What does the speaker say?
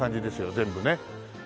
全部ね。